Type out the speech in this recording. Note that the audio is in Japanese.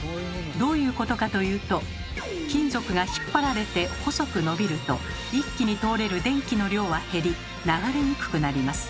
どういうことかというと金属が引っ張られて細く伸びると一気に通れる電気の量は減り流れにくくなります。